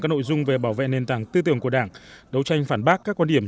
các nội dung về bảo vệ nền tảng tư tưởng của đảng đấu tranh phản bác các quan điểm